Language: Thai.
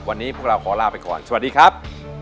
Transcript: วันนี้พวกเราขอลาไปก่อนสวัสดีครับ